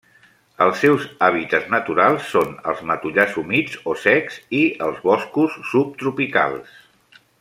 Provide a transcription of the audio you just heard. Els seus hàbitats naturals són els matollars humits o secs i els boscos subtropicals.